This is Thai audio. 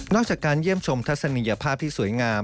จากการเยี่ยมชมทัศนียภาพที่สวยงาม